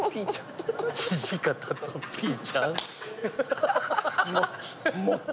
土方とピーちゃん？